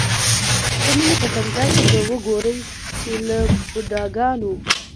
د مینې په تمځای کې به وګورئ چې له بوډاګانو.